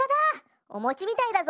おもちみたいだぞ。